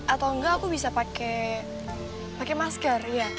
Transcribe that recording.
atau enggak aku bisa pakai pakai masker iya